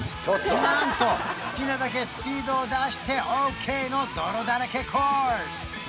なんと好きなだけスピードを出してオーケーの泥だらけコース！